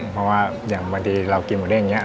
เพราะว่าอย่างบางทีเรากินหมูเด้งอย่างนี้